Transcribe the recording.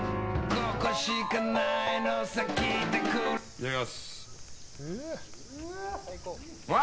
いただきます。